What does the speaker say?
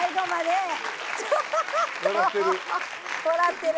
笑ってる。